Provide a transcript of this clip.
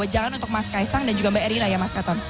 jalan untuk mas kaisang dan juga mbak erina ya mas katon